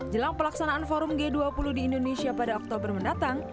jelang pelaksanaan forum g dua puluh di indonesia pada oktober mendatang